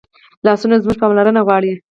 لاسونه زموږ پاملرنه غواړي